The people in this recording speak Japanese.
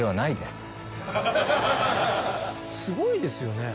すごいですよね